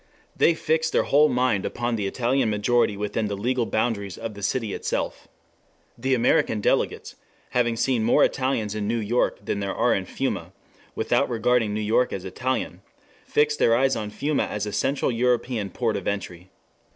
They fixed their whole mind upon the Italian majority within the legal boundaries of the city itself. The American delegates, having seen more Italians in New York than there are in Fiume, without regarding New York as Italian, fixed their eyes on Fiume as a central European port of entry.